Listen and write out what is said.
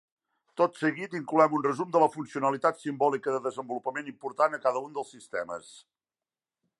Tot seguit incloem un resum de la funcionalitat "simbòlica" de desenvolupament important a cada un dels sistemes.